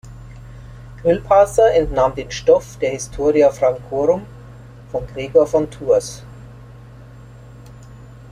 Grillparzer entnahm den Stoff der Historia Francorum von Gregor von Tours.